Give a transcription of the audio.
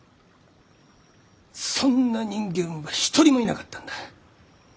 そんな人間は一人もいなかったんだ。